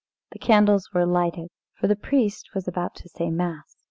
The candles were lighted, for the priest was about to say Mass.